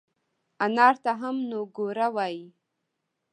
انار ته هم نووګوړه وای